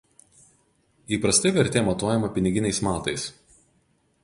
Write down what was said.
Įprastai vertė matuojama piniginiais matais.